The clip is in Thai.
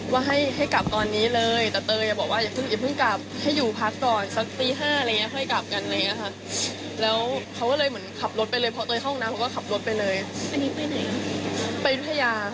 วันที่๗ก็คือวันที่๗ใช่ก็คือพอเขาเที่ยวพอเขาเหมือนฟังคอนเสิร์ตเสร็จเขาก็ไปเลยขับรถออกไปเลยไปอยุธยา